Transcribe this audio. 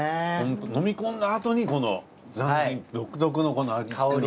飲み込んだあとにこのザンギ独特の味付けの。